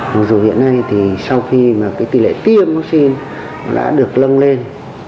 mặc dù hiện nay thì sau khi mà cái tỷ lệ tiêm vaccine đã được lân lên